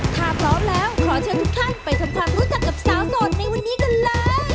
ถ้าพร้อมแล้วขอเชิญทุกท่านไปทำความรู้จักกับสาวโสดในวันนี้กันเลย